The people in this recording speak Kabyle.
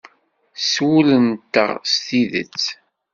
S wul-nteɣ s tidet.